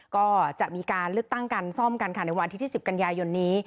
ก็จะมีการลึกตั้งการซ่อมกันในวันอาทิตย์๑๐กันยายนนี้